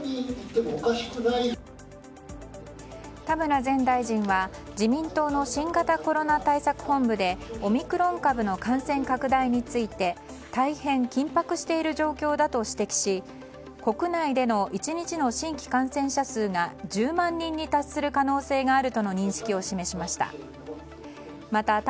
田村前大臣は自民党の新型コロナ対策本部でオミクロン株の感染拡大について大変緊迫している状況だと指摘し国内での１日の新規感染者数が１０万人に達する可能性があるとの認識を示しました。